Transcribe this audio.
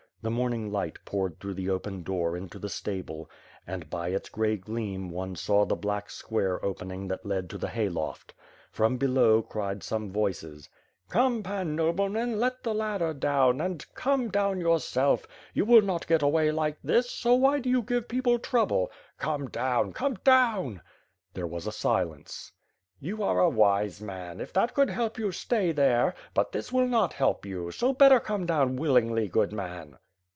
The morning light poured through the open door into the stable and, by its gray gleam, one saw the black square opening that led to the hayloft. From below, cried some voices: "Come, Pan itTobleman, let the ladder down, and come 492 ^^^B FIRE AND SWORD. down yourself. You will not get away like this, so why do you give people trouble. Come down! Come down!'* There was a silence. "You are a wise man! If that could help you stay there; but this will not help you, so better come down willingly, good man."